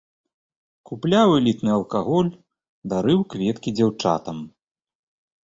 Купляў элітны алкаголь, дарыў кветкі дзяўчатам.